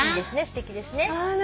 すてきですね。